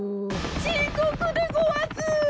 ちこくでごわす！